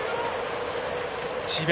智弁